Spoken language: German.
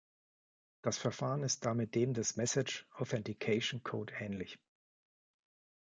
Das Verfahren ist damit dem des Message Authentication Code ähnlich.